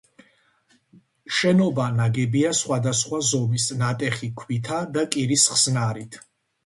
შენობა ნაგებია სხვადასხვა ზომის ნატეხი ქვითა და კირის ხსნარით.